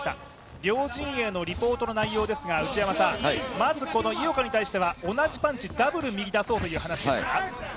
両陣営のリポートの内容ですが井岡に対しては同じパンチ、ダブル出そうと。